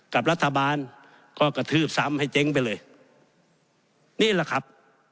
กับรัฐบาลก็กระทืบซ้ำให้เจ๊งไปเลยนี่แหละครับ